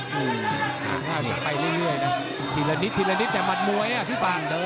ห้ามห้ามไปเรื่อยนะทีละนิดแต่บัตรมวยอ่ะที่ฝั่ง